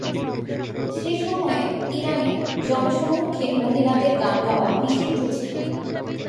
সে সময়ে ইরানে জনসম্মুখে মহিলাদের গান গাওয়া নিষিদ্ধ ছিল।